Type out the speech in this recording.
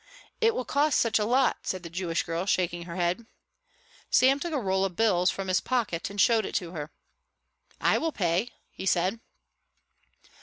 "It will cost such a lot," said the Jewish girl, shaking her head. Sam took a roll of bills from his pocket and showed it to her. "I will pay," he said.